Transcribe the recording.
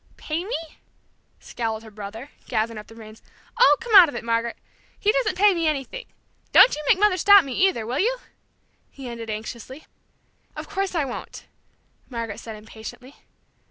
"Pay me?" scowled her brother, gathering up the reins. "Oh, come out of it, Marg'ret! He doesn't pay me anything. Don't you make Mother stop me, either, will you?" he ended anxiously. "Of course I won't!" Margaret said impatiently.